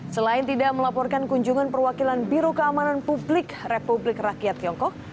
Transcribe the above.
selain tidak melaporkan kunjungan perwakilan biro keamanan publik republik rakyat tiongkok